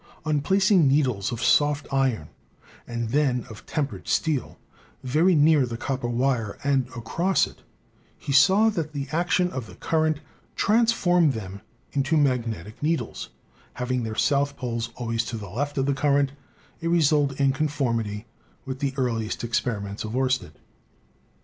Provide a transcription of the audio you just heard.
On placing needles of soft iron, and then of tempered steel, very near the copper wire and across it, he saw that the action of the current trans formed them into magnetic needles, having their south poles always to the left of the current, a result in con formity with the earliest experiments of Oersted.